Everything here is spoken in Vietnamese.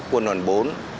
quân đoàn bốn